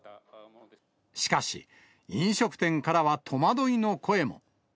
しかし、飲食店からは戸惑いの声も。